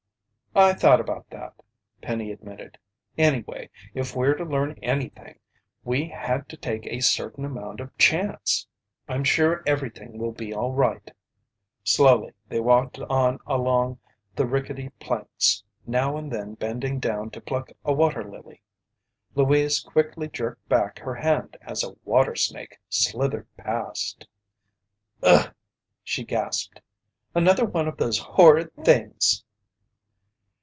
"I thought about that," Penny admitted. "Anyway, if we're to learn anything, we had to take a certain amount of chance. I'm sure everything will be all right." Slowly they walked on along the rickety planks, now and then bending down to pluck a water lily. Louise quickly jerked back her hand as a water snake slithered past. "Ugh!" she gasped. "Another one of those horrid things!"